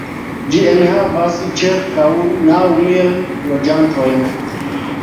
Ĝi enhavas ĉirkaŭ naŭ mil loĝantojn.